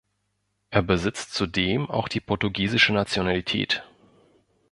Er besitzt zudem auch die portugiesische Nationalität.